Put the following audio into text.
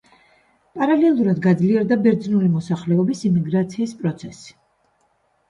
პარალელურად გაძლიერდა ბერძნული მოსახლეობის იმიგრაციის პროცესი.